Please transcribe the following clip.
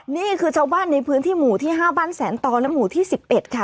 นี่คือชาวบ้านในพื้นที่หมู่ที่๕บ้านแสนต่อและหมู่ที่๑๑ค่ะ